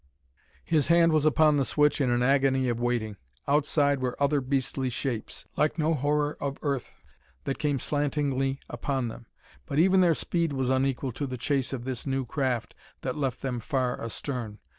His hand was upon the switch in an agony of waiting. Outside were other beastly shapes, like no horror of earth, that came slantingly upon them, but even their speed was unequal to the chase of this new craft that left them far astern.